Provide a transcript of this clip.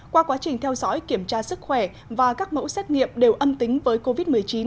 qua quá trình theo dõi kiểm tra sức khỏe và các mẫu xét nghiệm đều âm tính với covid một mươi chín